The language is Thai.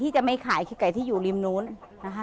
จากไก่ที่อยู่ริมนู้นนะคะ